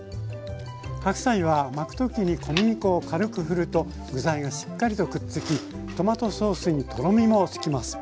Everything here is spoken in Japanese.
白菜は巻く時に小麦粉を軽くふると具材がしっかりとくっつきトマトーソースにとろみもつきます。